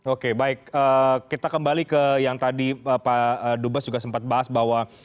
oke baik kita kembali ke yang tadi pak dubes juga sempat bahas bahwa